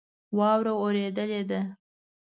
واوره اوریدلی ده